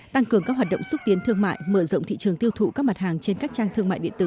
tăng cường các hoạt động xúc tiến thương mại mở rộng thị trường tiêu thụ các mặt hàng trên các trang thương mại điện tử